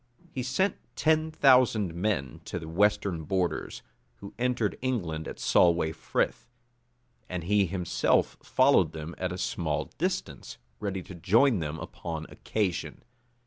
He sent ten thousand men to the western borders, who entered England at Solway Frith; and he himself followed them at a small distance, ready to join them upon occasion.